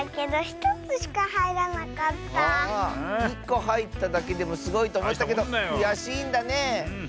１こはいっただけでもすごいとおもったけどくやしいんだね。